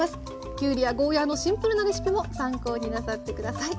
きゅうりやゴーヤのシンプルなレシピも参考になさって下さい。